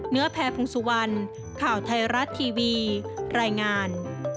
แพรพงสุวรรณข่าวไทยรัฐทีวีรายงาน